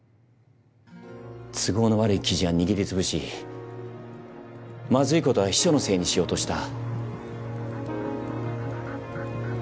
都合の悪い記事は握り潰しまずいことは秘書のせいにしようとした。